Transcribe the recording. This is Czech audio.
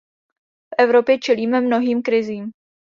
V Evropě čelíme mnohým krizím.